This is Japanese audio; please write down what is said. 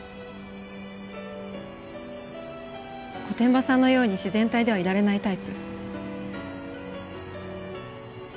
御殿場さんのように自然体ではいられないタイプ。